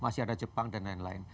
masih ada jepang dan lain lain